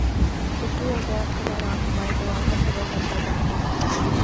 بجلی اور گیس کا بحران ہمارے زوال کا سبب بنتا جا رہا ہے